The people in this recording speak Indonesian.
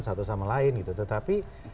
satu sama lain tetapi